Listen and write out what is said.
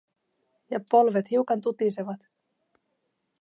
Ja polvet hiukan tutisevat.